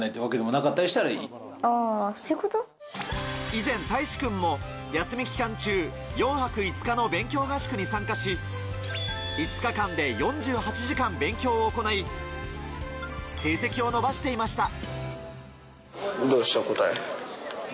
以前、大維志君も休み期間中、４泊５日の勉強合宿に参加し、５日間で４８時間勉強を行い、成績を伸ばしていました。